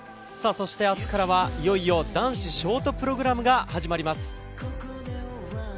そして明日からはいよいよ男子ショートプログラムが始まります。